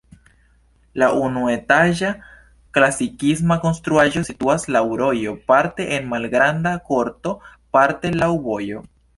La unuetaĝa klasikisma konstruaĵo situas laŭ rojo parte en malgranda korto, parte laŭ vojo.